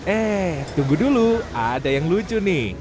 eh tunggu dulu ada yang lucu nih